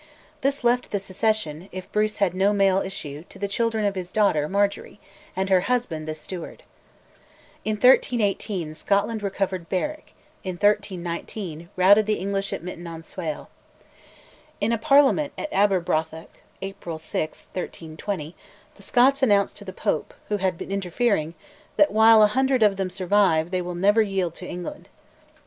This left the succession, if Bruce had no male issue, to the children of his daughter, Marjory, and her husband, the Steward. In 1318 Scotland recovered Berwick, in 1319 routed the English at Mytton on Swale. In a Parliament at Aberbrothock (April 6, 1320) the Scots announced to the Pope, who had been interfering, that, while a hundred of them survive, they will never yield to England.